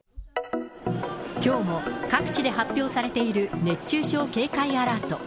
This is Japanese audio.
きょうも、各地で発表されている熱中症警戒アラート。